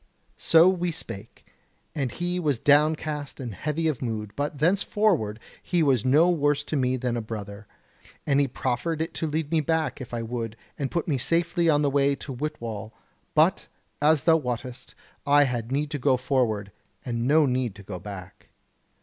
"So we spake, and he was downcast and heavy of mood; but thenceforward was he no worse to me than a brother. And he proffered it to lead me back, if I would, and put me safely on the way to Whitwall; but, as thou wottest, I had need to go forward, and no need to go back.